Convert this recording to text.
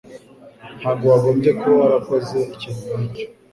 Ntabwo wagombye kuba warakoze ikintu nkicyo.